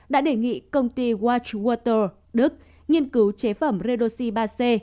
đã đề nghị công ty watchwater đức nghiên cứu chế phẩm redoxy ba c